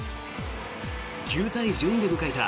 ９対１２で迎えた